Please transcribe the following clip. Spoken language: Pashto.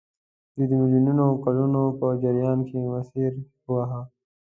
دوی د میلیونونو کلونو په جریان کې مسیر وواهه.